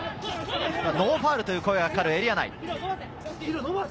ノーファウルという声がかかるエリア内。